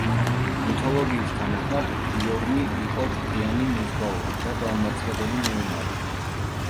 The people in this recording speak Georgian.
მითოლოგიის თანახმად ბიორნი იყო ჭკვიანი მეზღვაური და დაუმარცხებელი მეომარი.